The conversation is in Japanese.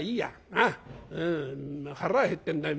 なあ腹は減ってんだい。